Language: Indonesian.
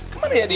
kemana ya dia